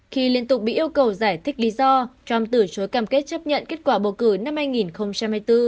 khi liên tục bị yêu cầu giải thích lý do trump từ chối cam kết chấp nhận kết quả bầu cử năm hai nghìn hai mươi bốn